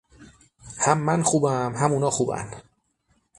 هم من خوبم هم اونا خوبن